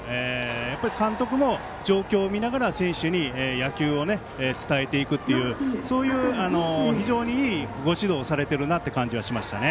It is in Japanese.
やっぱり監督も状況を見ながら選手に野球を伝えていくというそういう非常にいいご指導をされてるなっていう感じがしましたね。